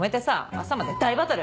朝まで大バトル！